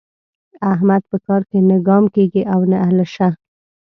احمد په کار کې نه ګام کېږي او نه الشه.